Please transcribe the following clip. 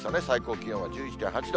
最高気温は１１．８度。